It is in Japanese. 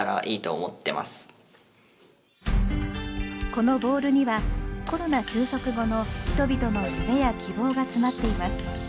このボールにはコロナ収束後の人々の夢や希望が詰まっています。